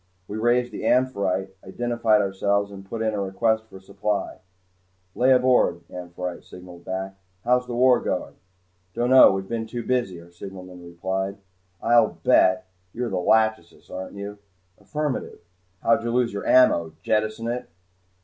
We raised the "Amphitrite," identified ourselves, and put in a request for supply. "Lay aboard," "Amphitrite" signalled back. "How's the war going?" "Don't know. We've been too busy," our signalman replied. "I'll bet you're 'Lachesis,' aren't you?" "Affirmative." "How'd you lose your ammo? Jettison it?"